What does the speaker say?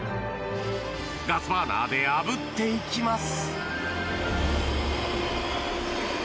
ガスバーナーであぶっていきます。